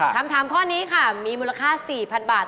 คำถามข้อนี้ค่ะมีมูลค่า๔๐๐๐บาท